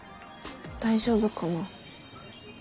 大丈夫かな。